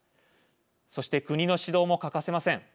そして国の指導も欠かせません。